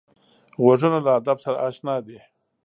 غوږونه له ادب سره اشنا دي